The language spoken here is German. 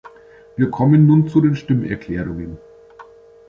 Wir kommen nun zu den Stimmerklärungen.